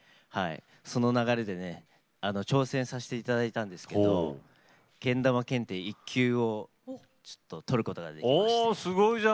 その流れで挑戦させていただいたんですけどけん玉検定１級を取ることができました。